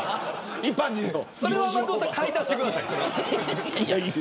それは松本さん買い足してください。